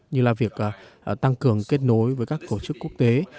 như là việc tăng cường kết nối với các tổ chức quốc tế